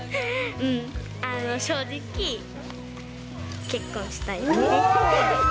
うん、正直、結婚したいです。